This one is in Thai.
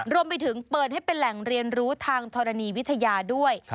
รวมไปถึงเปิดให้เป็นแหล่งเรียนรู้ทางธรณีวิทยาด้วย